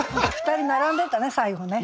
２人並んでたね最後ね。